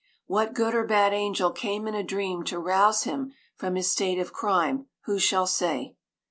What good or bad angel came in a dream to rouse him from his state of crime, who shall say?